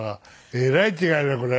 えらい違いだこれ。